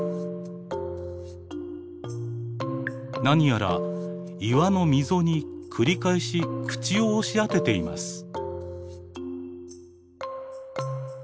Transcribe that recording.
何やら岩の溝に繰り返し口を押し当てています。